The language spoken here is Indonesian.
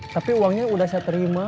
tapi uangnya sudah saya terima